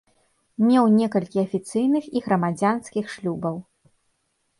Меў некалькі афіцыйных і грамадзянскіх шлюбаў.